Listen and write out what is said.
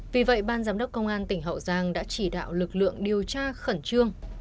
vì vậy ban giám đốc công an tỉnh hậu giang đã chỉ đạo lực lượng điều tra khẩn trương